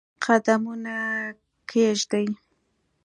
قدمونه کښېږدي